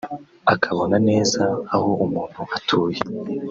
akabona neza aho umuntu atuye